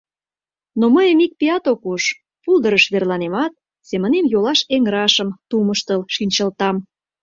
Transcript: Но мыйым ик пият ок уж, пулдырыш верланемат, семынем йолаш эҥырашым тумыштыл шинчылтам.